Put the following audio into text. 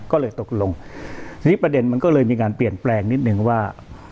ก็เลยตกลงทีนี้ประเด็นมันก็เลยมีการเปลี่ยนแปลงนิดนึงว่า